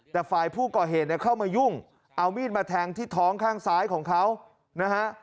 แต่ฝ่ายผู้ก่อเหตุเนี่ยเข้ามายุ่งเอามีดมาแทงที่ท้องข้างซ้ายของเขานะฮะ